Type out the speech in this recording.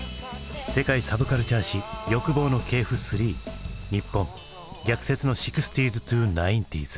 「世界サブカルチャー史欲望の系譜３日本逆説の６０−９０ｓ」。